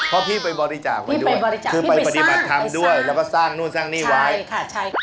เพราะพี่ไปบริจาคไว้ด้วยคือไปปฏิบัติธรรมด้วยแล้วก็สร้างนู่นสร้างนี่ไว้ใช่ค่ะใช่ค่ะ